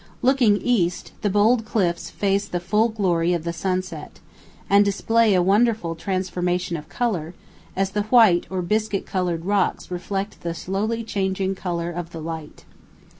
Looking east, the bold cliffs face the full glory of the sunset, and display a wonderful transformation of colour, as the white or biscuit coloured rocks reflect the slowly changing colour of the light.